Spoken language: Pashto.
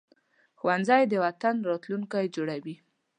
ښوونځی د وطن راتلونکی جوړوي